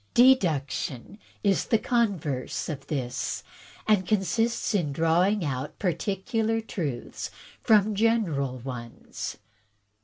" Deduction is the converse of this, and consists in drawing out particular truths from general ones.